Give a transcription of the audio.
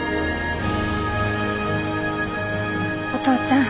お父ちゃん